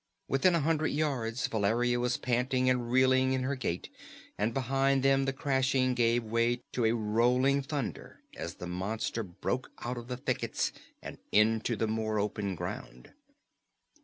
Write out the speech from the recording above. Within a hundred yards Valeria was panting and reeling in her gait, and behind them the crashing gave way to a rolling thunder as the monster broke out of the thickets and into the more open ground.